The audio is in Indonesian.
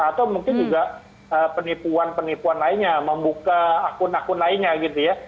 atau mungkin juga penipuan penipuan lainnya membuka akun akun lainnya gitu ya